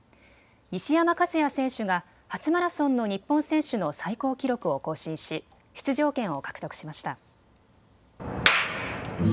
西山和弥選手が初マラソンの日本選手の最高記録を更新し出場権を獲得しました。